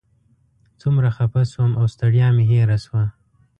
څومره خفه شوم او ستړیا مې هېره شوه.